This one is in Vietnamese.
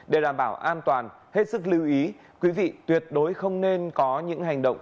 để đảm bảo an toàn hết sức lưu ý quý vị tuyệt đối không nên có những hành động